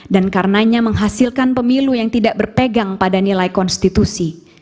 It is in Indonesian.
dan karenanya menghasilkan pemilu yang tidak berpegang pada nilai konstitusi